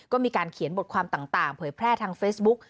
ก็มีการเขียนบทความต่างเผยแพร่ทางเฟซบุ๊ก